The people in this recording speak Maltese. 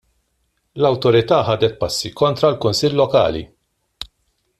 L-awtorità ħadet passi kontra kunsill lokali.